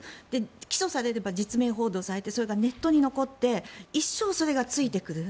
起訴されれば実名報道されてそれがネットに残って一生それがついてくる。